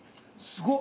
すごっ。